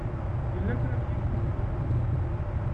Yella kra n yiwen i tettṛajumt?